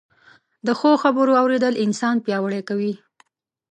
د ښو خبرو اورېدل انسان پياوړی کوي